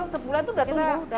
sepuluhan itu sudah tumbuh